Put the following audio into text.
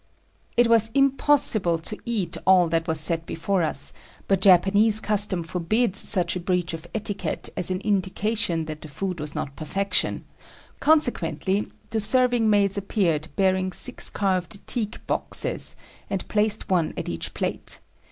It was impossible to eat all that was set before us, but Japanese custom forbids such a breach of etiquette as an indication that the food was not perfection, consequently the serving maids appeared bearing six carved teak boxes, and placed one at each plate.